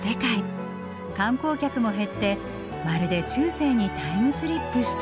観光客も減ってまるで中世にタイムスリップしたかのよう。